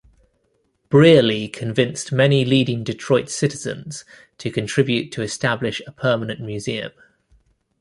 Brearly convinced many leading Detroit citizens to contribute to establish a permanent museum.